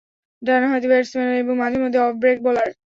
ডানহাতি ব্যাটসম্যান এবং মাঝেমধ্যে অফ-ব্রেক বোলার।